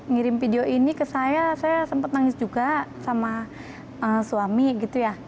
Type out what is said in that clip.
ngirim video ini ke saya saya sempat nangis juga sama suami gitu ya